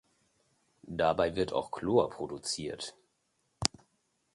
Dabei wird auch Chlor produziert.